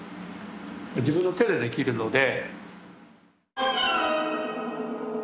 自分の手でできるので。